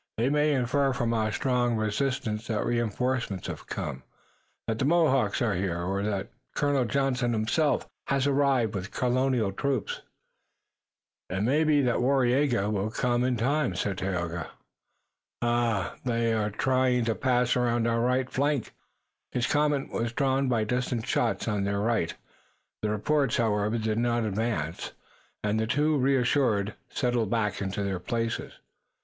"They may infer from our strong resistance that reënforcements have come, that the Mohawks are here, or that Colonel Johnson himself has arrived with Colonial troops." "It may be that Waraiyageh will come in time," said Tayoga. "Ah, they are trying to pass around our right flank." His comment was drawn by distant shots on their right. The reports, however, did not advance, and the two, reassured, settled back into their places.